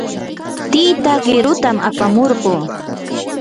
tita qirutam apamurquu.